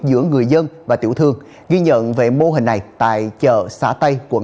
giữa người dân và tiểu thương ghi nhận về mô hình này tại chợ xã tây quận